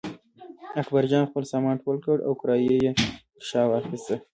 اکبرجان خپل سامان ټول کړ او کړایی یې پر شا واخیست.